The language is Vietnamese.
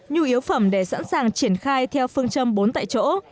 nhu yếu phẩm để sẵn sàng triển khai theo phương châm bốn tại chỗ